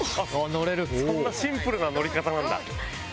そんなシンプルな乗り方なんだ。